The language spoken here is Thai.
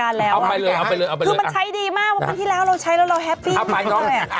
เรียบร้อยอร่อยจริง